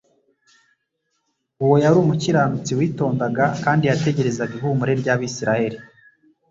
Uwo yari umukiranutsi witondaga kandi yategerezaga Ihumure ry'Abisiraheli